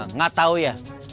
nggak tau ya